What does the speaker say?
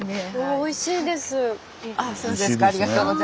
おいしいですね。